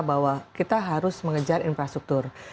bahwa kita harus mengejar infrastruktur